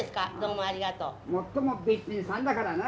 もっともべっぴんさんだからな。